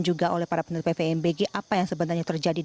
juga oleh para peneliti pvmbg apa yang sebenarnya terjadi